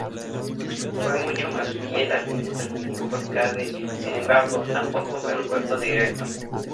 Fue mucho más fiel al videojuego arcade; sin embargo, tampoco fue un puerto directo.